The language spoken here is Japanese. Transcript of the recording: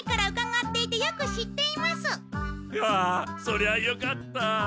そりゃよかった。